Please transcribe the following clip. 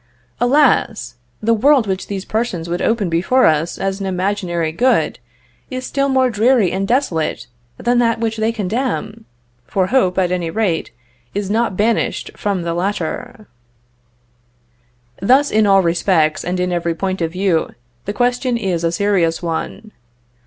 Alas! the world which these persons would open before us as an imaginary good, is still more dreary and desolate than that which they condemn, for hope, at any rate, is not banished from the latter." Thus in all respects, and in every point of view, the question is a serious one.